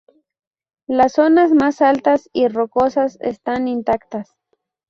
Las zonas más altas y rocosas están intactas.